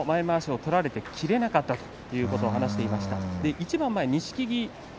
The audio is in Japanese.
前まわしを取られて切れなかったということを話していました。